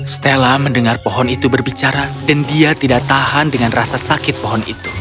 stella mendengar pohon itu berbicara dan dia tidak tahan dengan rasa sakit pohon itu